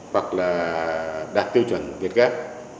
hoặc là đạt tiêu chuẩn việt gap